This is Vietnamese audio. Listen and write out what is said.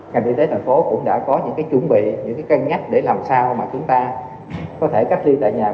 ngành y tế thành phố cũng đã có những chuẩn bị những cân nhắc để làm sao mà chúng ta có thể cách ly tại nhà